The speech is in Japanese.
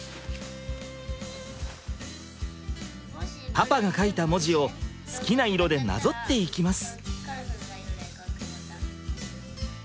パパが書いた文字を好きな色でなぞっていきます。